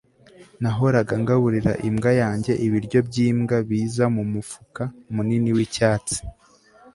nahoraga ngaburira imbwa yanjye ibiryo byimbwa biza mumufuka munini wicyatsi